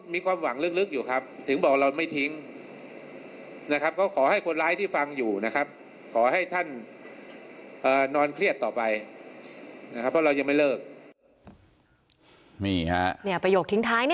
เพราะเรายังไม่เลิก